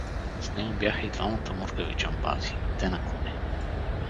С него бяха и двамата мургави джамбази, и те на коне.